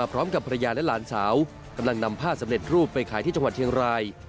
กำลังนำผ้าสำเร็จรูปไปขายที่จังหวัดเชียงราย